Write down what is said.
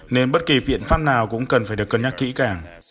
nên bất kỳ viện pháp nào cũng cần phải được cân nhắc kỹ cả